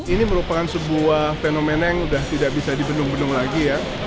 ini merupakan sebuah fenomena yang sudah tidak bisa dibendung bendung lagi ya